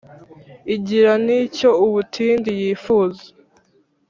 igira n' icyo umutindi yifuza,